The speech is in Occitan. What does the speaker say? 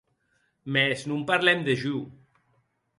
Mès non parlem de jo.